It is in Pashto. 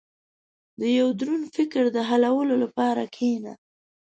• د یو دروند فکر د حلولو لپاره کښېنه.